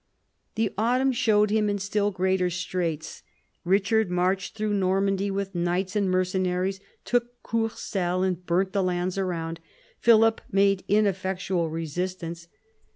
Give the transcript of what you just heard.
The autumn showed him in still greater straits. Eichard marched through Normandy with knights and mercenaries, took Courcelles, and burnt the lands around. Philip made ineffectual resistance.